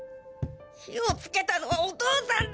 火をつけたのはお父さんだ！